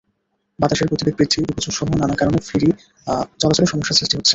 বাতাসের গতিবেগ বৃদ্ধি, ডুবোচরসহ নানা কারণে ফেরি চলাচলে সমস্যা সৃষ্টি হচ্ছে।